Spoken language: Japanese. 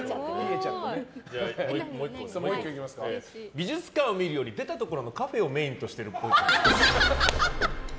美術館を見るより出たところのカフェをメインとしてるっぽい。